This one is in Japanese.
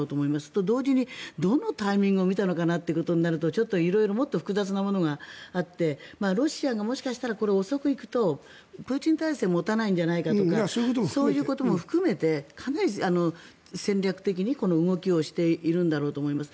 と、同時にどのタイミングを見たのかなということになるとちょっと色々もっと複雑なものがあってロシアがもしかしたら遅く行くとプーチン体制が持たないんじゃないかとかそういうことも含めてかなり戦略的にこの動きをしているんだろうと思います。